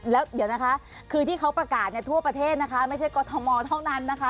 แล้วเดี๋ยวนะคะคือที่เขาประกาศทั่วประเทศนะคะไม่ใช่กรทมเท่านั้นนะคะ